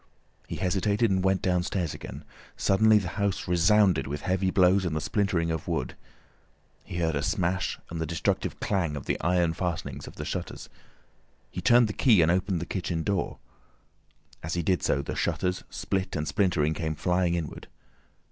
He hesitated and went downstairs again. Suddenly the house resounded with heavy blows and the splintering of wood. He heard a smash and the destructive clang of the iron fastenings of the shutters. He turned the key and opened the kitchen door. As he did so, the shutters, split and splintering, came flying inward.